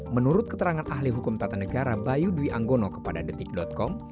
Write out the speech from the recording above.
menurut keterangan ahli hukum tata negara bayu dwi anggono kepada detik com